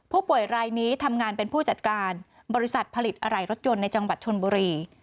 ผู้ป่วยรายนี้ทำงานเป็นผู้จัดการบริษัทผลิตอะไรรถยนต์ในจังหวัดชนบุรี